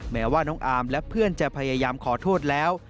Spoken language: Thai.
แม้ว่าน้องอาร์มและเพื่อนจะพยายามขอโทษแล้ว